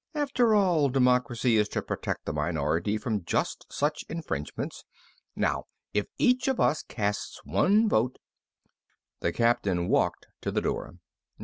After all, democracy is to protect the minority from just such infringements. Now, if each of us casts one vote " The Captain walked to the door.